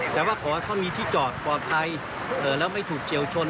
แต่ว่าเพราะว่าเขามีที่จอดปลอดภัยเอ่อแล้วไม่ถูกเจียวชน